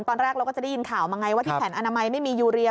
ตอนแรกเราก็จะได้ยินข่าวมาไงว่าที่แผนอนามัยไม่มียูเรีย